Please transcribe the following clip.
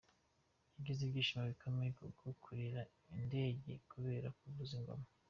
Yagize ibyishimo bikomeye kubwo kurira indege kubera kuvuza ingoma.